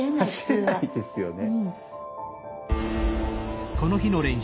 走れないですよね。